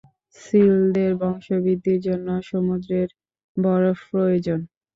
সিলদের বংশবৃদ্ধির জন্য সমুদ্রের বরফ প্রয়োজন।